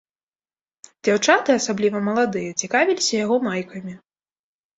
Дзяўчаты, асабліва маладыя, цікавіліся яго майкамі.